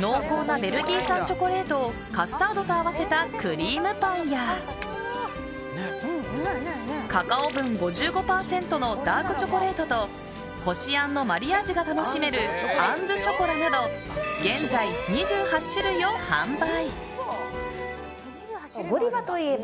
濃厚なベルギー産チョコレートをカスタードと合わせたクリームパンやカカオ分５５％のダークチョコレートとこしあんのマリアージュが楽しめるあん・ドゥ・ショコラなど現在２８種類を販売。